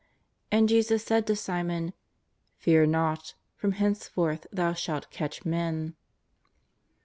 And Jesus said to Simon ;" Fear not, from hence forth thou shalt catch men.''